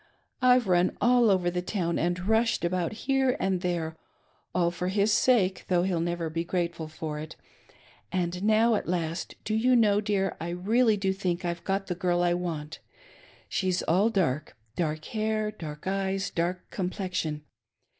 I've run all over the town and rushed about here and there, all for his sake, though he'll never be grateful for it ; and now at last, do you know, dear, I really do think I've got the girl I want. She's all dark — dark hair, dark eyes, dark complexion.